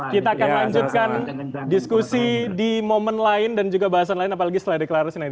kita akan lanjutkan diskusi di momen lain dan juga bahasan lain apalagi setelah deklarasi nanti